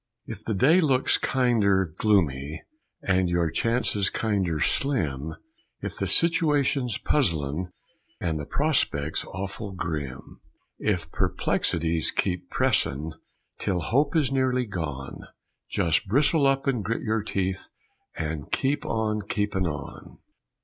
If the day looks kinder gloomy And your chances kinder slim, If the situation's puzzlin' And the prospect's awful grim, If perplexities keep pressin' Till hope is nearly gone, Just bristle up and grit your teeth And keep on keepin' on.